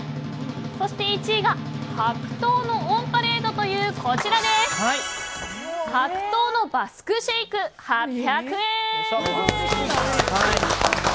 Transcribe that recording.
そして１位が白桃のオンパレードというこちら白桃のバスクシェイク、８００円。